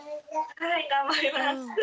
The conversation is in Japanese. はい頑張ります。